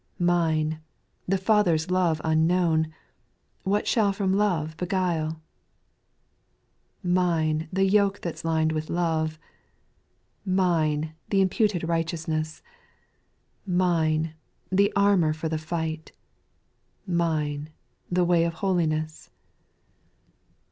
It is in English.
Mine, the Father's love unknown, — "What shall from that love beguile ? 5. Mine the yoke that 's lined with love, Mine th' imputed righteousnefis. Mine, the armour for the fight. Mine, the way of holiness.